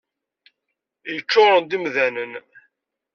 Yeččuren d imdanen.